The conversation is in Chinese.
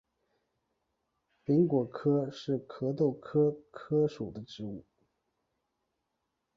柄果柯是壳斗科柯属的植物。